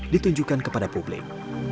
ditunjukkan kepada publik